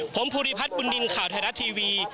ผมภูริพัฒน์บุญนินทร์ข่าวไทยรัฐทีวี